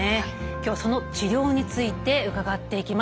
今日はその治療について伺っていきます。